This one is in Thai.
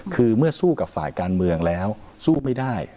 คือเมื่อสู้กับฝ่ายการเมืองแล้วสู้ไม่ได้